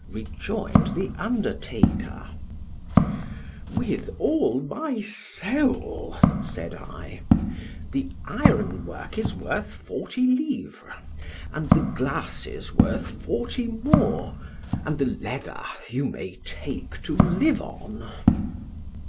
rejoined the undertaker—With all my soul, said I—the iron work is worth forty livres—and the glasses worth forty more—and the leather you may take to live on.